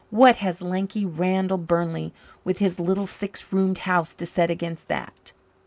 What has lanky Randall Burnley with his little six roomed house to set against that?"